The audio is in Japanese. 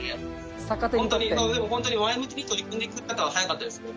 本当に前向きに取り組んでくれてからは早かったですよ。